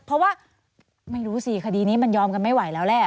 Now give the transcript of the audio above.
เพราะว่าไม่รู้สิคดีนี้มันยอมกันไม่ไหวแล้วแหละ